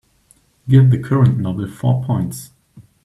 Give the current novel four points.